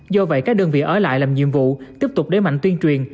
do vậy các đơn vị ở lại làm nhiệm vụ tiếp tục để mạnh tuyên truyền